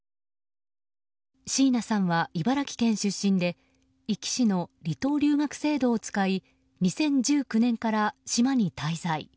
椎名さんは茨城県出身で壱岐市の離島留学制度を使い２０１９年から島に滞在。